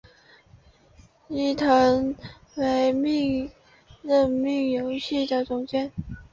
伊藤被任命为游戏的总监。